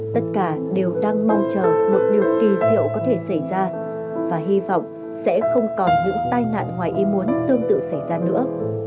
tất cả đều đang mong chờ một điều kỳ diệu có thể xảy ra và hy vọng sẽ không còn những tai nạn ngoài ý muốn tương tự xảy ra nữa